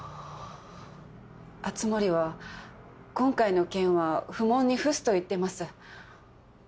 熱護は今回の件は不問に付すと言ってます。